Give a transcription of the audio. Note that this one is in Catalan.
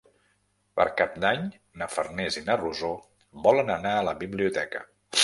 Per Cap d'Any na Farners i na Rosó volen anar a la biblioteca.